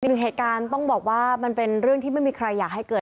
หนึ่งเหตุการณ์ต้องบอกว่ามันเป็นเรื่องที่ไม่มีใครอยากให้เกิด